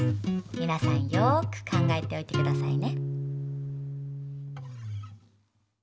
みなさんよく考えておいてくださいね。